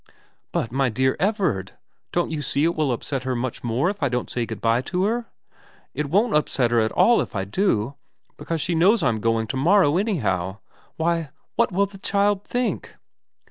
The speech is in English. ' But my dear Everard, don't you see it will upset her much more if I don't say good bye to her ? It won't upset her at all if I do, because she knows I'm going to morrow anyhow. Why, what will the child think?'